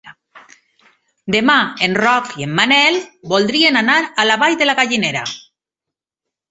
Demà en Roc i en Manel voldrien anar a la Vall de Gallinera.